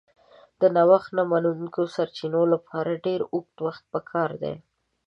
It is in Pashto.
د نوښت نه منونکي سرچینې لپاره ډېر اوږد وخت پکار دی.